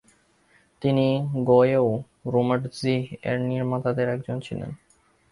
তিনি গ্বয়েউ রোমাটজিহ এর নির্মাতাদের একজন ছিলেন।